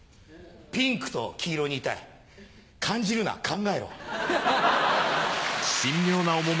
ピンクと黄色に言いたい「感じるな考えろ」。